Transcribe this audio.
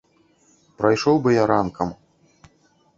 Прайшоў бы я ранкам.